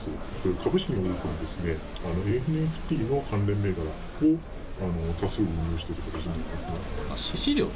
株式の多くにですね、Ｆ、ＮＦＴの関連銘柄を多数運用しているという形になります。